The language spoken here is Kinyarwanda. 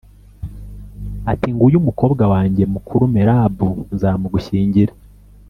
ati “Nguyu umukobwa wanjye mukuru Merabu nzamugushyingira.